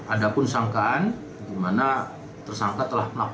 ada pun sangkaan dimana tersangka telah berakhir